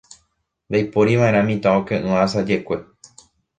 Ndaiporiva'erã mitã oke'ỹva asajekue.